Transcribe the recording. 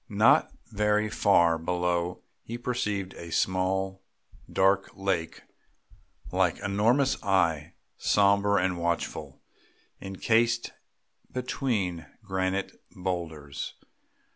Not very far below he perceived a small dark lake like an enormous eye, sombre and watchful, encased between granite boulders.